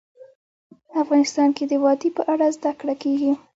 افغانستان کې د وادي په اړه زده کړه کېږي.